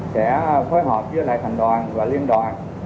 sẽ phối hợp với lại thành đoàn và liên đoàn